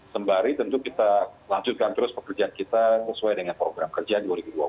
sembari tentu kita lanjutkan terus pekerjaan kita sesuai dengan program kerja dua ribu dua puluh